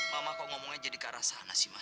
mama kok ngomongnya jadi karasana sih mak